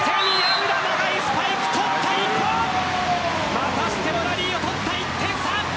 またしてもラリーを取った１点差。